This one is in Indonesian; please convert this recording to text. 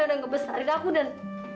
mereka yang ngebesarin aku dan